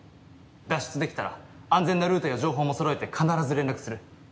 脱出できたら安全なルートや情報もそろえて必ず連絡する。